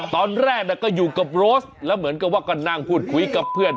ตอนแรกก็อยู่กับโรสแล้วเหมือนกับว่าก็นั่งพูดคุยกับเพื่อน